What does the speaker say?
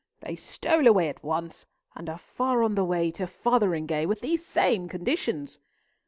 They stole away at once, and are far on the way to Fotheringhay, with these same conditions."